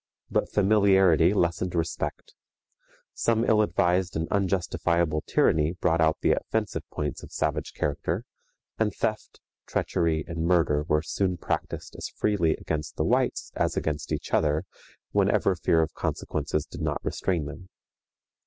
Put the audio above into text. But familiarity lessened respect; some ill advised and unjustifiable tyranny brought out the offensive points of savage character, and theft, treachery, and murder were soon practiced as freely against the whites as against each other whenever fear of consequences did not restrain them.